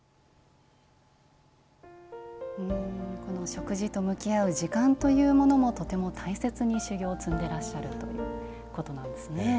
食事と向き合う時間というものもとても大切に修行を積んでいらっしゃるということなんですね。